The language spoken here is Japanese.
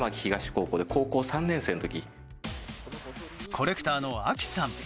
コレクターのＡＫＩさん。